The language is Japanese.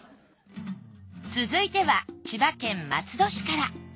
続いては千葉県松戸市から。